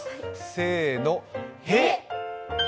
せーの、「へ」。